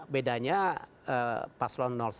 bedanya paslon satu